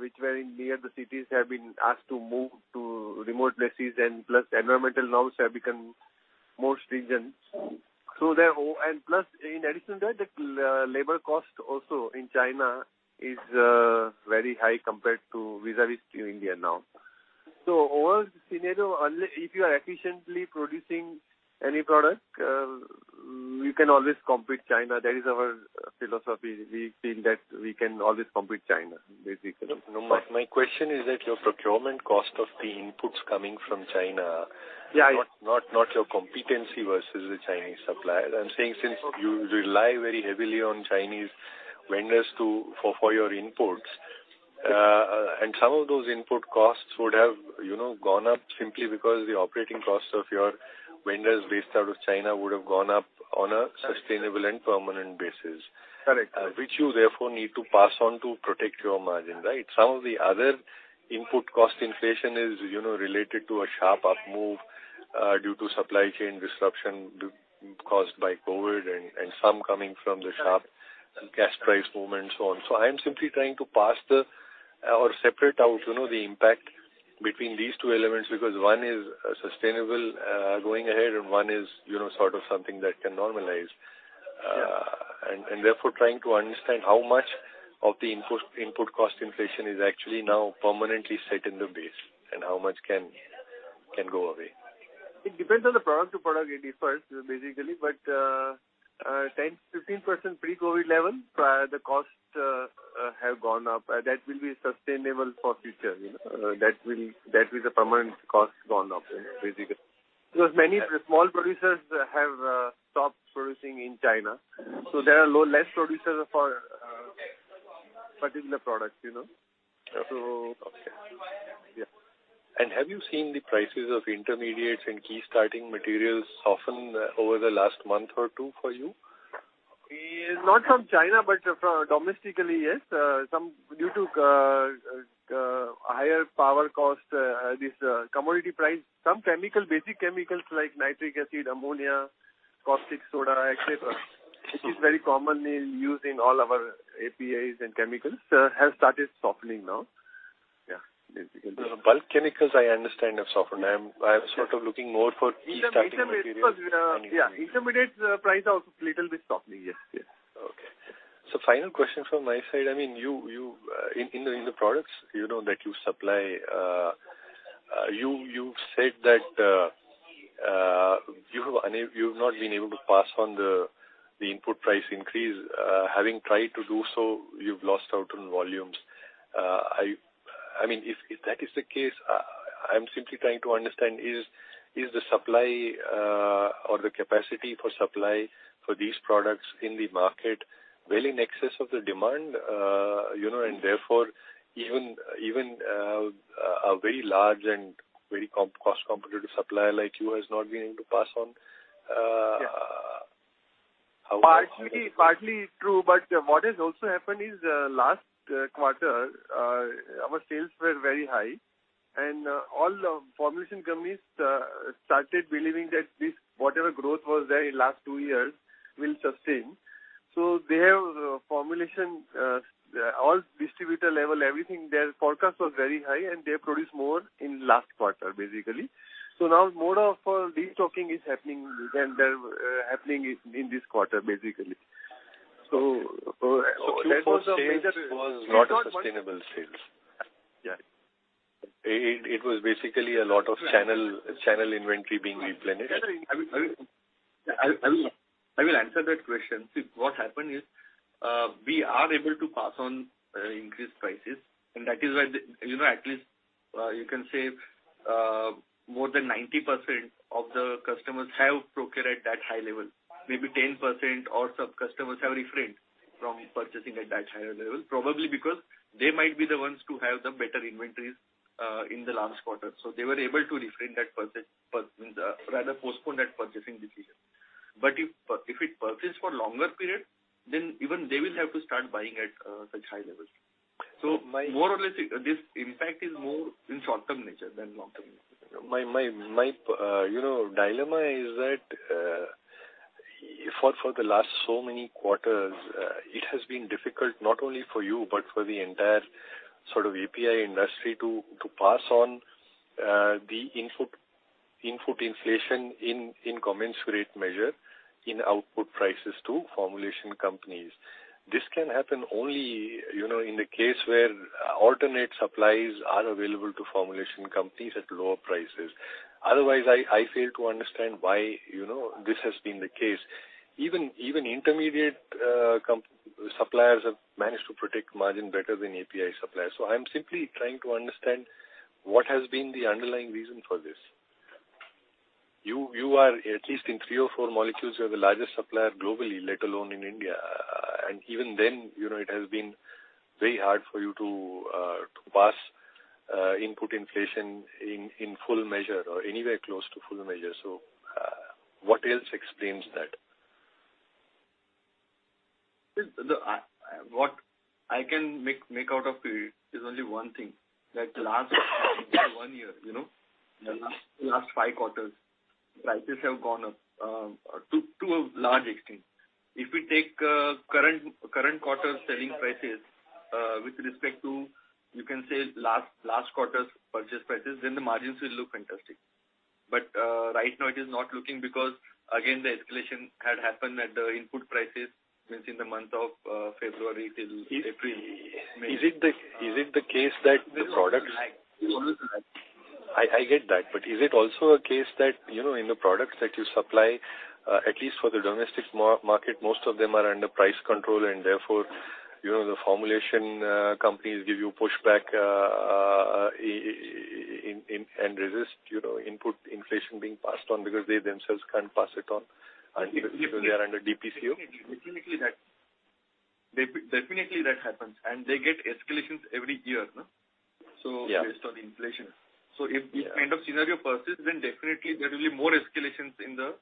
which were in near the cities have been asked to move to remote places, and plus environmental laws have become more stringent. In addition to that, the labor cost also in China is very high compared vis-à-vis India now. Overall scenario only if you are efficiently producing any product, you can always compete China. That is our philosophy. We feel that we can always compete China, basically. No, no. My question is that your procurement cost of the inputs coming from China. Yeah. Not your competency versus the Chinese suppliers. I'm saying since you rely very heavily on Chinese vendors for your imports. Some of those input costs would have, you know, gone up simply because the operating costs of your vendors based out of China would have gone up on a sustainable and permanent basis. Correct. Which you therefore need to pass on to protect your margin, right? Some of the other input cost inflation is, you know, related to a sharp up move due to supply chain disruption caused by COVID and some coming from the sharp gas price move and so on. I am simply trying to parse or separate out, you know, the impact between these two elements because one is sustainable going ahead and one is, you know, sort of something that can normalize. Yeah. Therefore trying to understand how much of the input cost inflation is actually now permanently set in the base and how much can go away. It depends on the product. Product to product it differs basically. 10%-15% pre-COVID level, the costs have gone up. That will be sustainable for future, you know. That will be the permanent cost gone up basically. Because many small producers have stopped producing in China. There are less producers for particular products, you know. Okay. Yeah. Have you seen the prices of intermediates and key starting materials soften over the last month or two for you? Not from China, but from domestically, yes. Some due to higher power cost, this commodity price. Basic chemicals like nitric acid, ammonia, caustic soda actually, which is very commonly used in all our APIs and chemicals, have started softening now. Yeah, basically. Bulk chemicals I understand have softened. I am sort of looking more for each type of material. Yeah. Intermediates prices are little bit softening. Yes, yes. Okay. Final question from my side. I mean, in the products you know that you supply, you've said that you've not been able to pass on the input price increase. Having tried to do so, you've lost out on volumes. I mean, if that is the case, I'm simply trying to understand is the supply or the capacity for supply for these products in the market well in excess of the demand? You know, therefore even a very large and very cost competitive supplier like you has not been able to pass on Yeah. How- Partly true. What has also happened is, last quarter, our sales were very high and all the formulation companies started believing that this, whatever growth was there in last two years will sustain. Their formulation, all distributor level, everything, their forecast was very high and they produced more in last quarter, basically. Now more of a destocking is happening than the happening in this quarter, basically. That was the major. Q4 sales was not a sustainable sales. Yeah. It was basically a lot of channel inventory being replenished. I will answer that question. See, what happened is, we are able to pass on increased prices, and that is why. You know, at least You can say more than 90% of the customers have procured at that high level. Maybe 10% or some customers have refrained from purchasing at that higher level, probably because they might be the ones to have the better inventories in the last quarter. They were able to refrain, meaning rather postpone that purchasing decision. If it persists for longer period, then even they will have to start buying at such high levels. More or less, this impact is more in short-term nature than long-term. My dilemma is that for the last so many quarters it has been difficult not only for you but for the entire sort of API industry to pass on the input inflation in commensurate measure in output prices to formulation companies. This can happen only, you know, in the case where alternate supplies are available to formulation companies at lower prices. Otherwise, I fail to understand why, you know, this has been the case. Even intermediate suppliers have managed to protect margin better than API suppliers. I'm simply trying to understand what has been the underlying reason for this. You are at least in three or four molecules, you are the largest supplier globally, let alone in India. even then, you know, it has been very hard for you to pass input inflation in full measure or anywhere close to full measure. What else explains that? What I can make out of the period is only one thing, the last one year, you know? Yeah. The last five quarters, prices have gone up to a large extent. If we take current quarter selling prices with respect to, you can say, last quarter's purchase prices, then the margins will look fantastic. Right now it is not looking because again, the escalation had happened at the input prices means in the month of February till April, May. I get that. Is it also a case that, you know, in the products that you supply, at least for the domestic market, most of them are under price control and therefore, you know, the formulation companies give you pushback and resist, you know, input inflation being passed on because they themselves can't pass it on and they are under DPCO. Definitely that happens. They get escalations every year, no? Yeah. Based on the inflation. Yeah. If this kind of scenario persists, then definitely there will be more escalations in the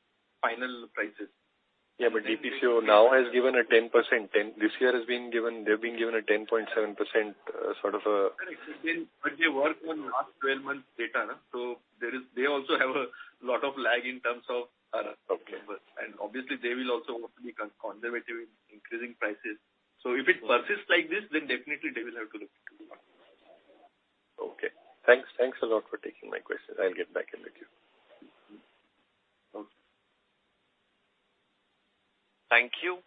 final prices. Yeah, DPCO now has given a 10%. This year they've been given a 10.7%, sort of a They work on last 12 months data. They also have a lot of lag in terms of Okay. Obviously they will also want to be conservative in increasing prices. If it persists like this, then definitely they will have to look into it. Okay. Thanks. Thanks a lot for taking my questions. I'll get back in the queue. Okay. Thank you.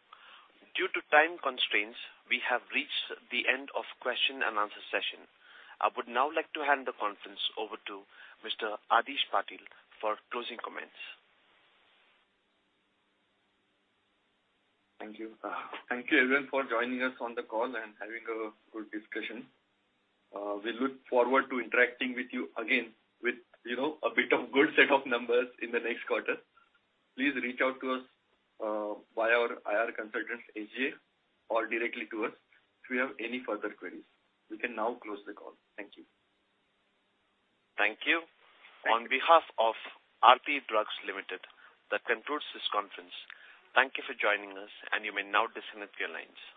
Due to time constraints, we have reached the end of question and answer session. I would now like to hand the conference over to Mr. Adhish P. Patil for closing comments. Thank you. Thank you everyone for joining us on the call and having a good discussion. We look forward to interacting with you again with, you know, a bit of good set of numbers in the next quarter. Please reach out to us via our IR consultants, IR-Asia, or directly to us if you have any further queries. We can now close the call. Thank you. Thank you. Thank you. On behalf of Aarti Drugs Limited, that concludes this conference. Thank you for joining us, and you may now disconnect your lines.